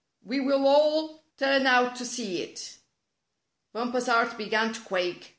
We will all turn out to see it." Bumper's heart began to quake.